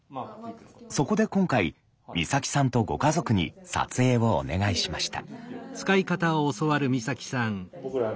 そこで今回光沙季さんとご家族に撮影をお願いしました。